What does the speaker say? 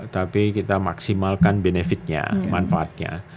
tapi kita maksimalkan benefitnya manfaatnya